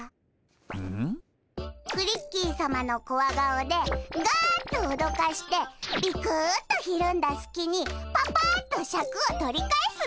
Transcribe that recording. クリッキーさまのコワ顔でガッとおどかしてビクッとひるんだすきにパパッとシャクを取り返すのだ！